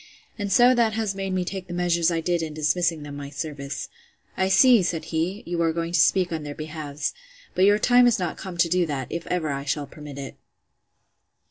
and so that has made me take the measures I did in dismissing them my service.—I see, said he, you are going to speak on their behalfs; but your time is not come to do that, if ever I shall permit it.